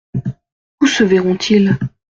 Où se verront-ils ?